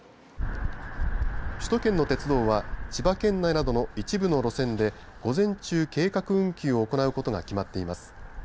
首都圏の鉄道は千葉県内などの一部の路線で午前中、計画運休を行うことが決まっています。